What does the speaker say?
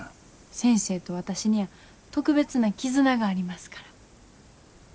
先生と私には特別な絆がありますから。